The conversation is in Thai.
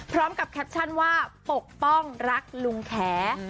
พร้อมกับแคปชั่นว่าปกป้องรักลูงแข